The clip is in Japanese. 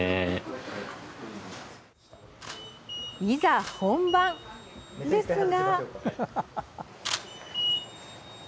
いざ本番、ですが。